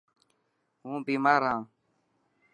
هون بيمار هان.